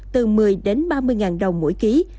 từ một mươi đến ba mươi đồng mỗi ký